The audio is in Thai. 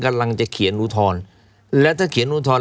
กำลังจะเขียนอุทธรณ์และถ้าเขียนอุทธรณ